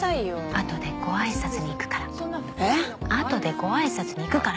あとでご挨拶に行くから！